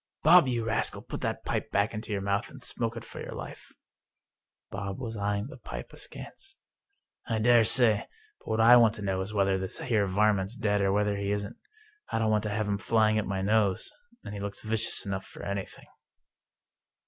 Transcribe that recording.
" Bob, you rascal, put that pipe back into your mouth, and smoke it for your life !" Bob was eying the pipe askance. " I dare say, but what I want to know is whether this here varmint's dead or whether he isn't. I don't want to have him flying at my nose — ^and he looks vicious enough for anything."